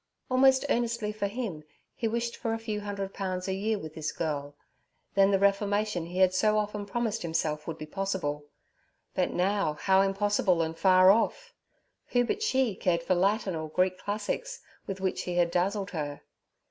Almost earnestly for him he wished for a few hundred pounds a year with this girl; then the reformation he had so often promised himself would be possible, but now how impossible and far off! Who but she cared for the Latin or Greek classics with which he had dazzled her?